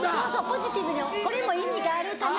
ポジティブにこれも意味があるかな。